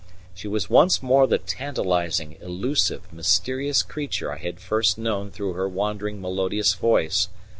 She was once more the tantalizing, elusive, mysterious creature I had first known through her wandering, melodious voice.